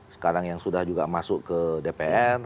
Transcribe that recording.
sekarang yang sudah juga masuk ke dpr